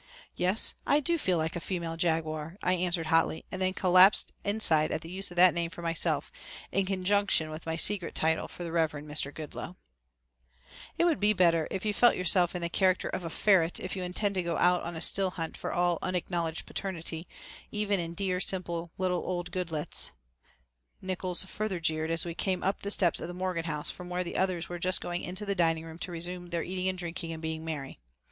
"Yes, I do feel like a female jaguar," I answered hotly and then collapsed inside at the use of that name for myself in conjunction with my secret title for the Reverend Mr. Goodloe. "It would be better if you felt yourself in the character of a ferret if you intend to go out on a still hunt for all unacknowledged paternity, even in dear, simple, little old Goodloets," Nickols further jeered as we came up the steps of the Morgan house from where the others were just going into the dining room to resume their eating and drinking and being merry.